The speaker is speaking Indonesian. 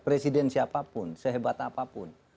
presiden siapapun sehebat apapun